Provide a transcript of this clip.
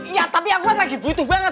iya tapi aku kan lagi butuh banget